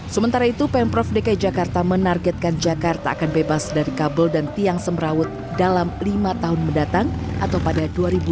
sementara itu pemprov dki jakarta menargetkan jakarta akan bebas dari kabel dan tiang semrawut dalam lima tahun mendatang atau pada dua ribu dua puluh